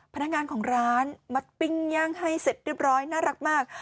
พนักงานของร้านมาปิ้งย่างให้เสร็จเรียบร้อยน่ารักมาก